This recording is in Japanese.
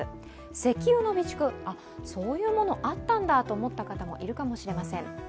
石油の備蓄、そういうものもあったんだと思った方もいるかもしれません。